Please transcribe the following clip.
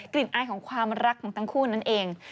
อายของความรักของทั้งคู่นั่นเอง